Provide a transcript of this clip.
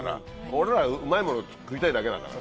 俺らうまいもの食いたいだけだから。